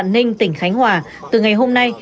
tỉnh vạn ninh tỉnh khánh hòa từ ngày hôm nay